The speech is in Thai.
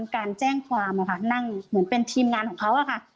การแจ้งความค่ะนั่งเหมือนเป็นทีมงานของเขาอะค่ะ